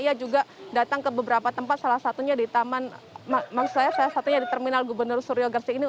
ia juga datang ke beberapa tempat salah satunya di terminal gubernur suryogersi ini